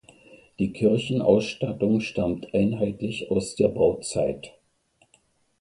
Die Kirchenausstattung stammt einheitlich aus der Bauzeit.